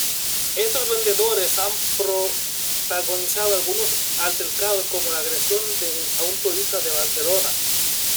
Estos vendedores han protagonizado algunos altercados como la agresión a un turista en Barcelona.